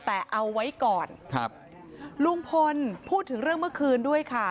แต่เอาไว้ก่อนครับลุงพลพูดถึงเรื่องเมื่อคืนด้วยค่ะ